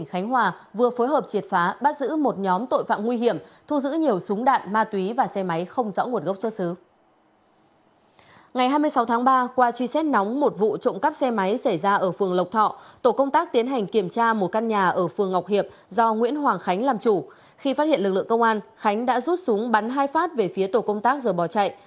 khi phát hiện lực lượng công an khánh đã rút súng bắn hai phát về phía tổ công tác giờ bỏ chạy